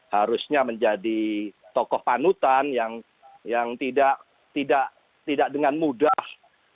harusnya menjadi tokoh panutan yang tidak dengan mudah